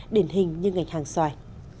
điển hình như ngành hàng xoài